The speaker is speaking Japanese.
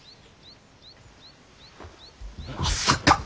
まさか！